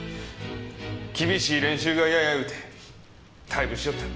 厳しい練習が嫌や言うて退部しよった。